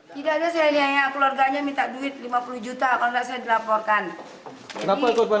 tidak ada saya nyaya keluarganya minta duit lima puluh juta kalau tidak saya dilaporkan